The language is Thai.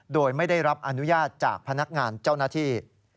โดยไม่ได้รับอนุญาตจากพนักงานเจ้าหน้าที่